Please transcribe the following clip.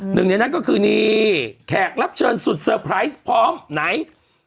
หนึ่งในนั้นก็คือนี่แขกรับเชิญสุดเซอร์ไพรส์พร้อมไหน